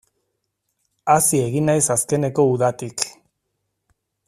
Hazi egin naiz azkeneko udatik.